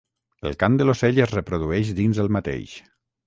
El cant de l'ocell es reprodueix dins el mateix.